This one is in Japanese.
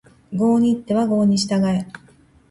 郷に入っては郷に従え